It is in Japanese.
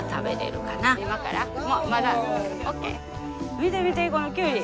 見て見てこのキュウリ。